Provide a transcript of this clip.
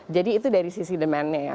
jadi itu dari sisi demandnya ya